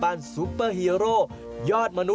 ความเข้าใจผิดและขอยืนยันว่าไม่มีเจตนาทางการเมือง